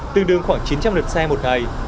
tương đương khoảng chín trăm linh lượt xe một ngày